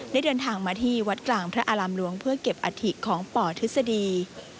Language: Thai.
ได้เดินทางมาที่วัดกลางพระอารามหลวงเพื่อเก็บอัฐิของปทฤษฎี